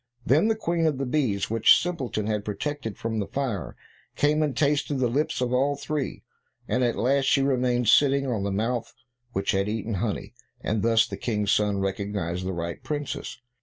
Then the Queen of the bees, which Simpleton had protected from the fire, came and tasted the lips of all three, and at last she remained sitting on the mouth which had eaten honey, and thus the King's son recognized the right princess.